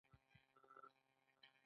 یا هغه په خپل حال یوازې پرېږدو.